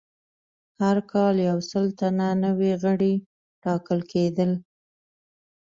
هر کال یو سل تنه نوي غړي ټاکل کېدل